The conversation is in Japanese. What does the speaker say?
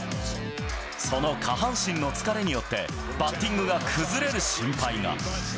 その下半身の疲れによって、バッティングが崩れる心配が。